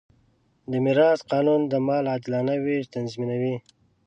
د میراث قانون د مال عادلانه وېش تضمینوي.